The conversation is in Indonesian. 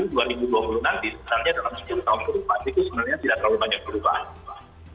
sebenarnya dalam sepuluh tahun ke depan itu sebenarnya tidak terlalu banyak perubahan